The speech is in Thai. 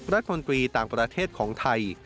รัฐมนตรีต่างประเทศของไทย